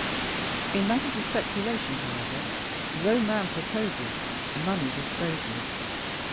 In matters of speculation, however, though "man proposes," yet "money disposes."